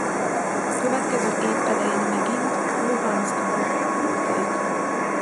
A következő év elején megint Luhanszkba küldték.